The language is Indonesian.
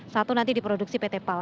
satu nanti diproduksi pt pal